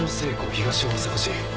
東大阪市。